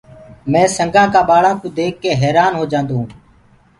مي سنگآ ڪآ ٻآݪآ ڪوُ ديک ڪي حيرآن هوجآندو هونٚ۔